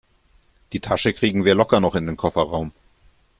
Die Tasche kriegen wir locker noch in den Kofferraum.